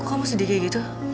kok mau sedih kayak gitu